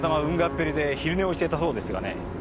っぺりで昼寝をしていたそうですがね。